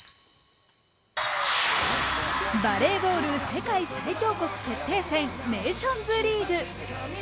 バレーボール世界最強国決定戦ネーションズリーグ。